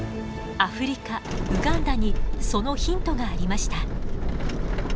アフリカウガンダにそのヒントがありました。